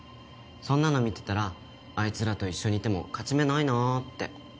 そんなの見てたらあいつらと一緒にいても勝ち目ないなって。